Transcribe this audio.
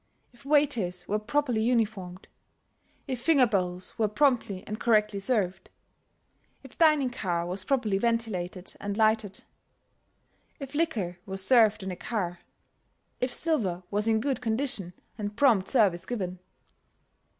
If waiters were properly uniformed; if finger bowls were promptly and correctly served; if dining car was properly ventilated and lighted; if liquor was served on the car; if silver was in good condition and prompt service given.